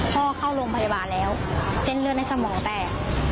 เข้าโรงพยาบาลแล้วเส้นเลือดในสมองแตก